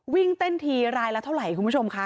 วิ่งเต้นทีรายละเท่าไหร่คุณผู้ชมคะ